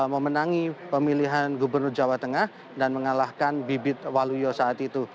memenangi pemilihan gubernur jawa tengah dan mengalahkan bibit waluyo saat itu